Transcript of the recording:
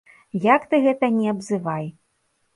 Як ты гэта ні абзывай.